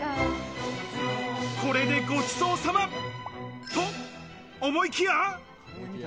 これで、ごちそうさま！と思いきや！